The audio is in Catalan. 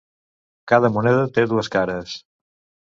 Cada moneda té dues cares.